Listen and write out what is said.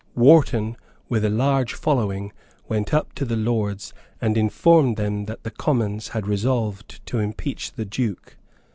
Wharton, with a large following, went up to the Lords, and informed them that the Commons had resolved to impeach the Duke.